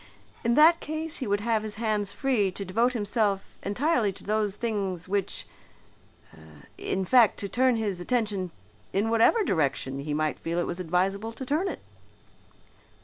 In that case he would have his hands free to devote himself entirely to those things, which in fact to turn his attention in whatever direction he might feel it was advisable to turn it."